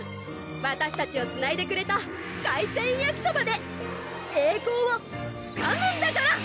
わたしたちをつないでくれた海鮮やきそばで栄光をつかむんだから！